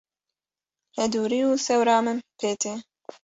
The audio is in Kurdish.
hedûrî û sewra min pê tê.